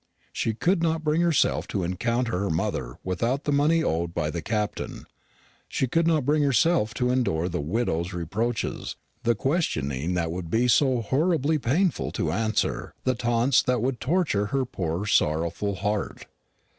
She could not bring herself to encounter her mother without the money owed by the Captain; she could not bring herself to endure the widow's reproaches, the questioning that would be so horribly painful to answer, the taunts that would torture her poor sorrowful heart.